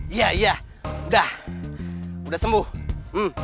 iya iya udah udah sembuh